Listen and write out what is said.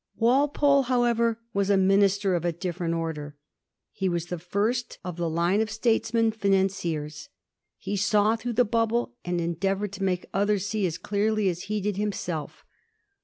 Walpole, however, was a minister of a different order. He was the first of the line of statesmen financiers. He saw through the bubble, and en deavoured to make others see as clearly as he did himself.